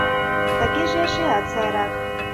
— Тыгеже эшеат сайрак!